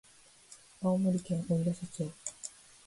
青森県おいらせ町